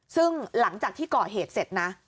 ซึ่งหลังจากที่ก่อเหตุเสร็จนะ